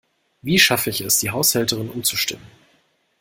Wie schaffe ich es, die Haushälterin umzustimmen?